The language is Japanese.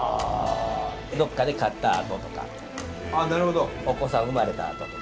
どっかで勝ったあととかお子さん生まれたあととか。